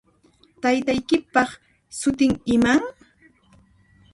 Taytaykipaq sutin iman?